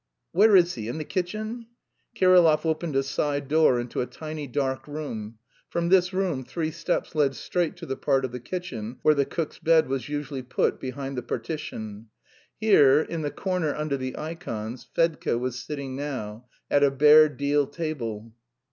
Where is he, in the kitchen?" Kirillov opened a side door into a tiny dark room; from this room three steps led straight to the part of the kitchen where the cook's bed was usually put, behind the partition. Here, in the corner under the ikons, Fedka was sitting now, at a bare deal table.